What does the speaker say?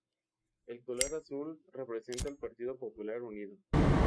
El color azul representa al Partido Popular Unido.